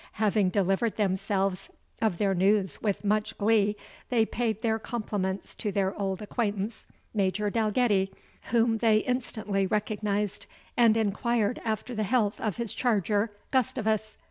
Having delivered themselves of their news with much glee, they paid their compliments to their old acquaintance Major Dalgetty, whom they instantly recognised, and enquired after the health of his charger, Gustavus.